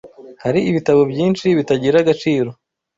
Hari ibitabo byinshi bitagira agaciro,